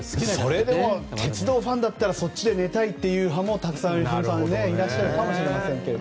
それでも鉄道ファンだったらそっちで寝たいというファンもたくさんいらっしゃるかもしれませんけど。